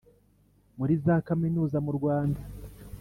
muri za kaminuza mu Rwanda